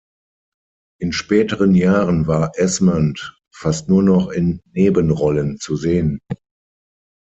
In späteren Jahren war Esmond fast nur noch in Nebenrollen zu sehen.